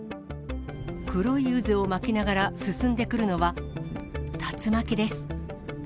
黒い渦を巻きながら進んでくるのは、竜巻です。